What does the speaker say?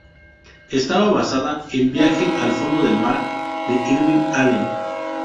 Estaba basada en "Viaje al fondo del mar" de Irwin Allen.